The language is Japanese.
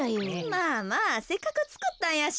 まあまあせっかくつくったんやし。